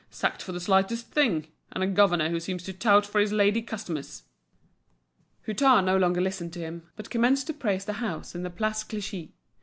Sacked for the slightest thing! And a governor who seems to tout for his lady customers." Hutin no longer listened to him, but commenced to praise the house in the Place Clichy.